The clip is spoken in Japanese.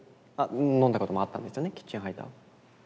飲んだこともあったんですよねキッチンハイター。